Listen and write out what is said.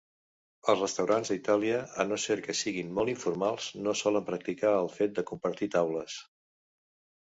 Els restaurants a Itàlia, a no ser que siguin molt informals, no solen practicar el fet de compartir taules.